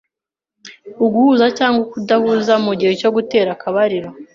Uguhuza cyangwa ukudahuza mu gihe cyo gutera akabariro